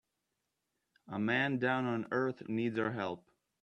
A man down on earth needs our help.